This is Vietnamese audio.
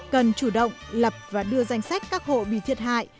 cần chủ động lập và đưa danh sách các hộ bị thiệt hại